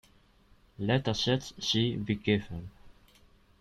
Let a set "C" be given.